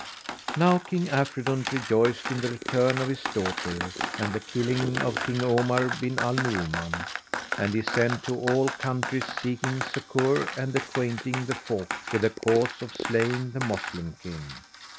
Now King Afridun rejoiced in the return of his daughter and the killing of King Omar bin al Nu'uman; and he sent to all countries seeking succour and acquainting the folk with the cause of slaying the Moslem King.